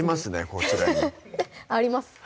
こちらにあります